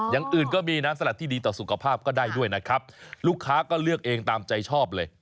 อย่างอื่นก็มีน้ำสลัดที่ดีต่อสุขภาพก็ได้ด้วยนะครับลูกค้าก็เลือกเองตามใจชอบเลย